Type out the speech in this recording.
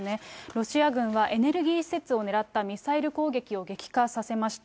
ロシア軍はエネルギー施設を狙ったミサイル攻撃を激化させました。